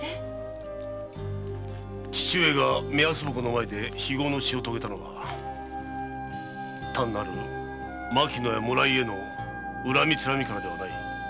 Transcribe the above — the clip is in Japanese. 父上が目安箱の前で非業の死を遂げたのは単なる牧野や村井への恨みつらみからではない。